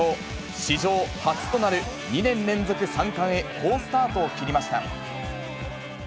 史上初となる２年連続３冠へ、好スタートを切りました。